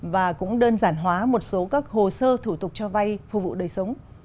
và cũng đơn giản hóa một số các hồ sơ thủ tục cho vay phục vụ đời sống